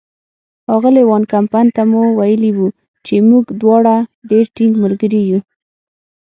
اغلې وان کمپن ته مو ویلي وو چې موږ دواړه ډېر ټینګ ملګري یو.